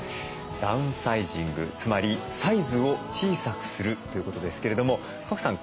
ダウンサイジングつまりサイズを小さくするということですけれども賀来さん